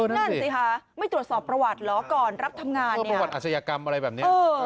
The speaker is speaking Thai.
นั่นสิค่ะไม่ตรวจสอบประวัติเหรอก่อนรับทำงานในประวัติอาชญากรรมอะไรแบบนี้